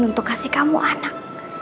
untuk kasih kamu anak